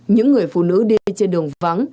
những người phụ nữ đi trên đường vắng